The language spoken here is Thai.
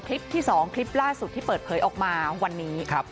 คลิปที่๒คลิปล่าสุดที่เปิดเผยออกมาวันนี้